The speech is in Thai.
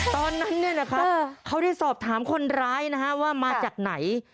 ตอนนั้นเขาได้สอบถามคนร้ายนะฮะว่ามาจากไหน